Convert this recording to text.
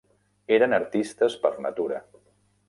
Eren artistes per natura.